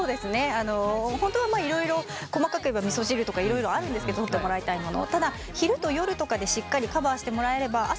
あのほんとはまあいろいろ細かく言えば味噌汁とかいろいろあるんですけどとってもらいたいもの。